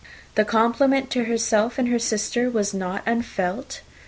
The compliment to herself and her sister was not unfelt.